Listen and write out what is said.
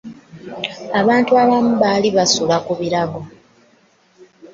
Abantu abamu baali basula ku birago.